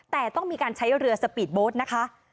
แต่ต้องมีการใช้เรือสปีดโบสต์นะคะ